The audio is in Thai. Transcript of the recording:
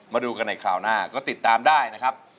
มาดูกันในคราวหน้าก็ติดตามได้นะครับ